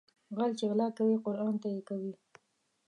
غل چې غلا کوي قرآن ته يې کوي